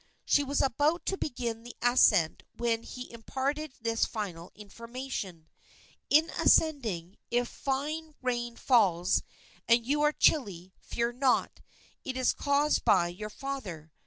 She was about to begin the ascent when he imparted this final information: "In ascending, if fine rain falls and you are chilly, fear not; it is caused by your father.